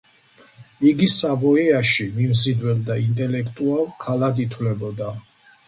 იგი სავოიაში მიმზიდველ და ინტელექტუალ ქალად ითვლებოდა.